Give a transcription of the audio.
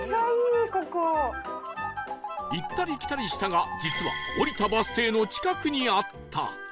行ったり来たりしたが実は降りたバス停の近くにあった